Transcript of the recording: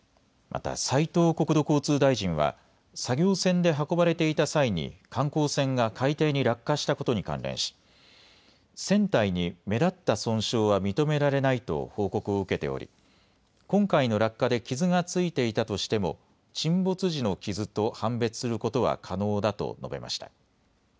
また斉藤国土交通大臣は作業船で運ばれていた際に観光船が海底に落下したことに関連し船体に目立った損傷は認められないと報告を受けており今回の落下で傷が付いていたとしても沈没時の傷と判別することは可能だと述べました。